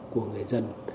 của người dân